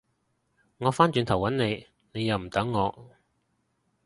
我返轉頭搵你，你又唔等我